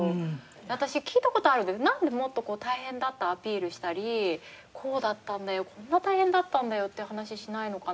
私聞いた事あるなんでもっと大変だったアピールしたりこうだったんだよこんな大変だったんだよっていう話しないのか？